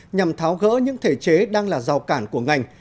nhằm tháo gỡ những thể chế đang là rào cản của ngành